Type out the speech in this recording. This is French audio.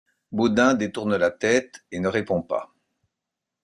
Baudin détourne la tête et ne répond pas.